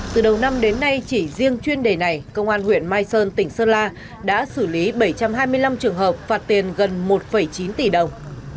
từ đầu năm đến nay chỉ riêng chuyên đề này công an huyện mai sơn tỉnh sơn la đã xử lý bảy trăm hai mươi năm trường hợp phạt tiền gần một chín tỷ đồng